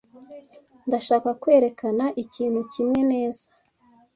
Ndashaka kwerekana ikintu kimwe neza.